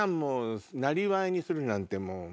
なりわいにするなんてもう。